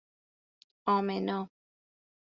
آمنا